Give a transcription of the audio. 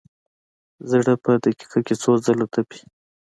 زړه په دقیقه کې څو ځله تپي.